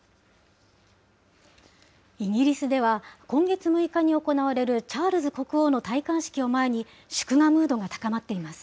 イギリスでは、今月６日に行われるチャールズ国王の戴冠式を前に、祝賀ムードが高まっています。